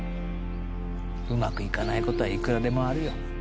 うまくいかないことはいくらでもあるよ